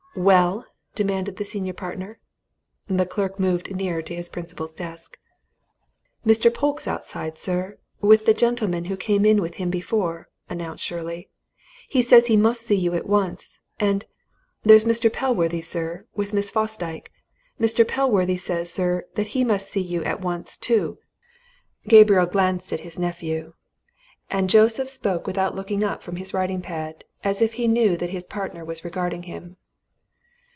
"Well?" demanded the senior partner. The clerk moved nearer to his principal's desk. "Mr. Polke's outside, sir, with the gentleman who came in with him before," announced Shirley. "He says he must see you at once. And there's Mr. Pellworthy, sir, with Miss Fosdyke. Mr. Pellworthy says, sir, that he must see you at once, too." Gabriel glanced at his nephew. And Joseph spoke without looking up from his writing pad, and as if he knew that his partner was regarding him.